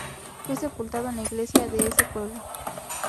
Fue sepultado en la iglesia de ese pueblo.